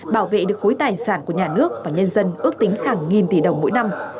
bảo vệ được khối tài sản của nhà nước và nhân dân ước tính hàng nghìn tỷ đồng mỗi năm